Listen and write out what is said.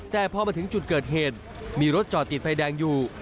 แต่พอมาถึงจุดเกิดเหตุมีรถจอดติดไฟแดงอยู่